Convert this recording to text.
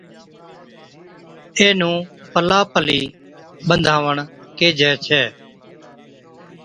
اينھُون پلا پلي ٻانڌاوڻ ڪيهجَي ڇَي